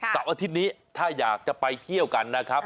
อาทิตย์นี้ถ้าอยากจะไปเที่ยวกันนะครับ